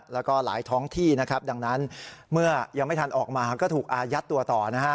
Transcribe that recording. แล้วก็หลายท้องที่นะครับดังนั้นเมื่อยังไม่ทันออกมาก็ถูกอายัดตัวต่อนะฮะ